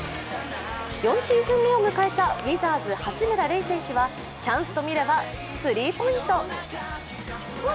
４シーズン目を迎えたウィザーズ・八村塁選手はチャンスと見ればスリーポイント。